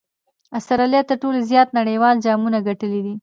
اسټراليا تر ټولو زیات نړۍوال جامونه ګټلي دي.